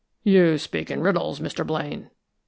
"You speak in riddles, Mr. Blaine."